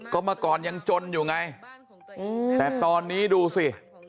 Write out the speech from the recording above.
ก็เมื่อก่อนยังจนอยู่ไงแต่ตอนนี้ดูสิ